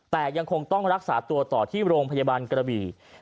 แต่ยังคงต้องรักษาตัวต่อที่โรงพยาบาลกระบี่